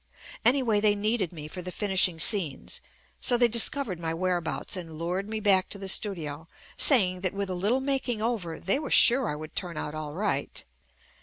Anyway, they needed me for the finishing scenes, so they discovered my whereabouts and lured me back to the studio, saying that with a little making over they were sure I would turn out all right.